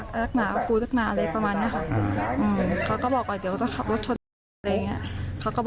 ใช่ค่ะมือทุบรถรอบคันแล้วก็เอาที่ทีบรถนี่ครับ